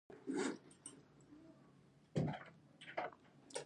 سپوږمۍ د کوچنیو شهابسنگونو تر برید لاندې ده